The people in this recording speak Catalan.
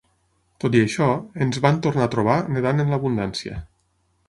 Tot i això, ens van tornar a trobar nedant en l'abundància.